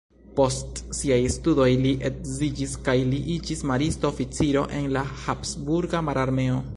Post siaj studoj li edziĝis kaj li iĝis maristo-oficiro en la Habsburga mararmeo.